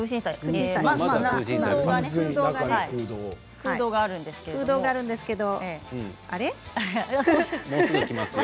空洞があるんですけれど。